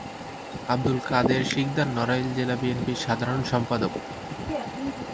আবদুল কাদের সিকদার নড়াইল জেলা বিএনপির সাধারণ সম্পাদক।